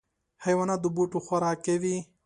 حیوانات د بوټو خوراک کوي.